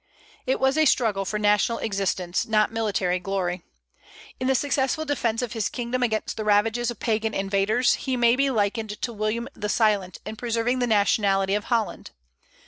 It was a struggle for national existence, not military glory. In the successful defence of his kingdom against the ravages of Pagan invaders he may be likened to William the Silent in preserving the nationality of Holland.